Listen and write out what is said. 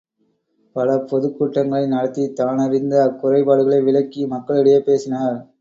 பல பொதுக் கூட்டங்களை நடத்தி தானறிந்த அக்குறைபாடுகளை விளக்கி மக்கள் இடையே பேசினார்.